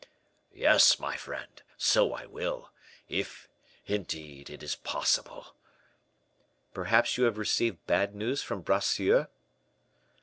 "Yes, my friend, so I will: if, indeed, it is possible." "Perhaps you have received bad news from Bracieux?"